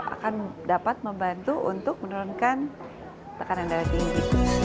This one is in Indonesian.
akan dapat membantu untuk menurunkan tekanan darah tinggi